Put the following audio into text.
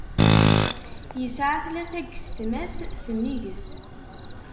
Yesεa tlata n yisetma-s sennig-s.